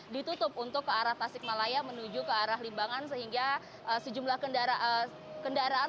ditutup untuk ke arah tasikmalaya menuju ke arah limbangan sehingga sejumlah kendaraan